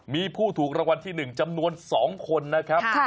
มีผู้ถูกรางวัลที่๑จำนวน๒คนนะครับ